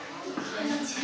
こんにちは。